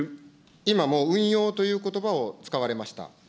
今もう運用ということばを使われました。